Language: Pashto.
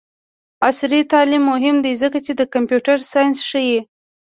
عصري تعلیم مهم دی ځکه چې د کمپیوټر ساینس ښيي.